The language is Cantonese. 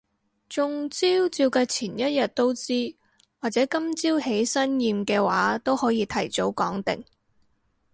中招照計前一日都知，或者今朝起身驗嘅話都可以提早講定